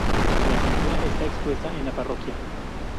La pintura está expuesta en la parroquia.